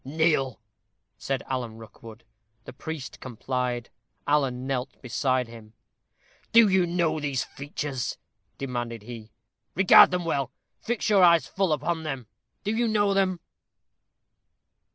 "Kneel!" said Alan Rookwood. The priest complied. Alan knelt beside him. "Do you know these features?" demanded he. "Regard them well. Fix your eyes full upon them. Do you know them?"